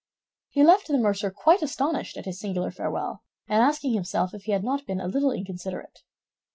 He left the mercer quite astonished at his singular farewell, and asking himself if he had not been a little inconsiderate.